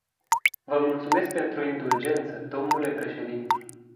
Vă mulțumesc pentru indulgență, domnule președinte.